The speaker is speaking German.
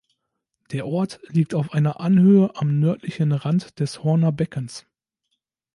Der Ort liegt auf einer Anhöhe am nördlichen Rand des Horner Beckens.